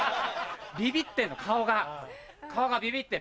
ビビってんの顔が顔がビビってる。